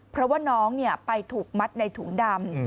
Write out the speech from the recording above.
เพราะว่าน้องไปถูกมัดในถุงดำ